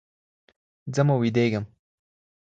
ځمه ويدېږم